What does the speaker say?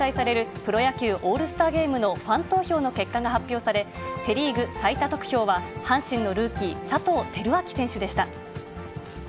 プロ野球・オールスターゲームのファン投票の結果が発表され、セ・リーグ最多得票は、阪神のルーキー、佐藤輝明選手でした。